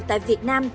tại việt nam